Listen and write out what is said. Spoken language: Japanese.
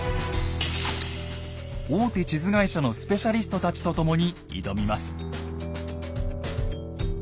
大手地図会社のスペシャリストたちと共に挑みます。